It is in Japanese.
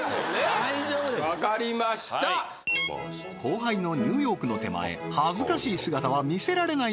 大丈夫ですわかりました後輩のニューヨークの手前恥ずかしい姿は見せられない